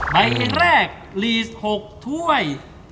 ใบแรกลีส๖ถ้วย